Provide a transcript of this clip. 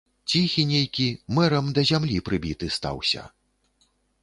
Ціхі нейкі, мэрам да зямлі прыбіты, стаўся.